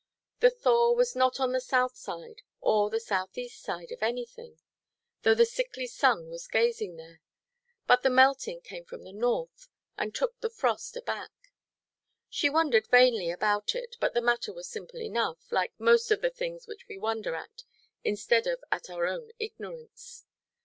The thaw was not on the south side or the south–east side of anything, though the sickly sun was gazing there; but the melting came from the north, and took the frost aback. She wondered vainly about it, but the matter was simple enough, like most of the things which we wonder at, instead of at our own ignorance.